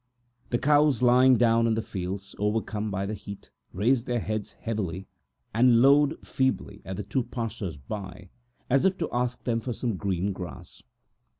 The cows lying down in the fields, overcome by the heat, raised their heads heavily and lowed feebly at the two passers by, as if to ask them for some green grass.